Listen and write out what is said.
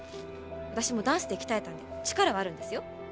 私もダンスで鍛えたんで力はあるんですよ。